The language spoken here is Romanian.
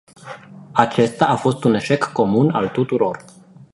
Acesta a fost un eșec comun al tuturor.